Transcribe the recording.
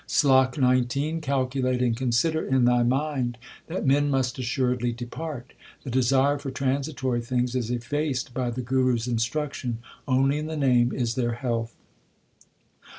SLOK XIX Calculate and consider in thy mind that men must assuredly depart. The desire for transitory things is effaced by the Guru s instruction ; only in the Name is there health.